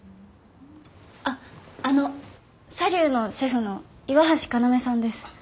あっあのサリューのシェフの岩橋要さんです。